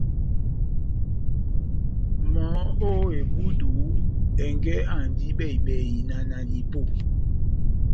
Mɔ́ ó ebúdu, ɛngɛ́ áhandi bɛhi-bɛhi na nanipó